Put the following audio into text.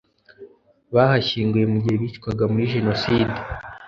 bahashyinguye mu gihe bicwaga muri jenoside